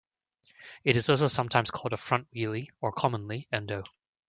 It is also sometimes called a front wheelie, or commonly endo.